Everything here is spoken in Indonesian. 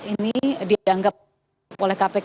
ini dianggap oleh kpk